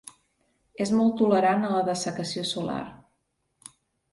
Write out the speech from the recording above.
És molt tolerant a la dessecació solar.